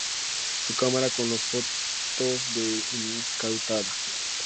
Su cámara con las fotos fue incautada.